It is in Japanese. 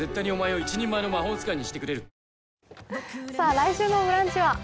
来週の「ブランチ」は？